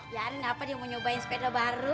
ya nggak apa dia mau nyobain sepeda baru